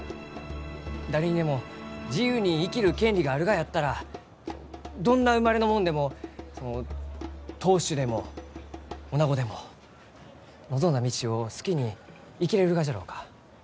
誰にでも自由に生きる権利があるがやったらどんな生まれの者でもその当主でもおなごでも望んだ道を好きに生きれるがじゃろうか？